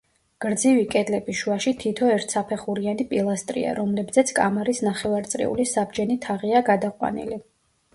გრძივი კედლების შუაში თითო ერთსაფეხურიანი პილასტრია, რომლებზეც კამარის ნახევარწრიული საბჯენი თაღია გადაყვანილი.